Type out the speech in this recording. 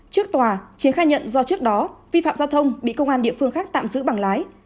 trước tòa chiến khai nhận do trước đó vi phạm giao thông bị công an địa phương khác tạm giữ bằng lái